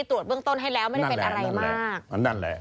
ตรวจเบื้องต้นให้แล้วไม่ได้เป็นอะไรมาก